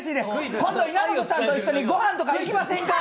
今度、稲本さんと一緒に御飯とか、行きませんか？